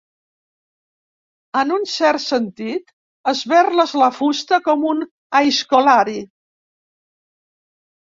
En un cert sentit, esberles la fusta com un aizkolari.